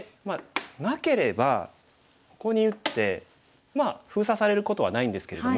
なければここに打って封鎖されることはないんですけれども。